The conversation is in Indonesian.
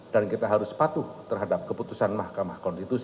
dan kita harus patuh